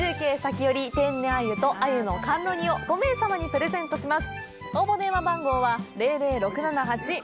中継先より冷凍アユとアユの甘露煮を５名様にプレゼントいたします。